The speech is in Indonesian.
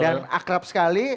dan akrab sekali